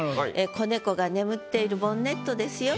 仔猫が眠っているボンネットですよって